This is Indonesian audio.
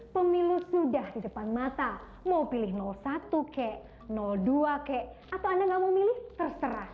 pemilu sudah di depan mata mau pilih satu kek dua kek atau anda nggak mau milih terserah